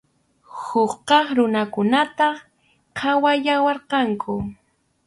Huk kaq runakunataq qhawallawarqanku.